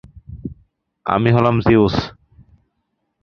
আমি হলাম জিউস!